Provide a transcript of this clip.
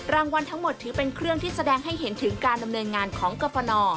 รางวัลทั้งหมดถือเป็นเครื่องที่แสดงให้เห็นถึงการดำเนินงานของกรฟน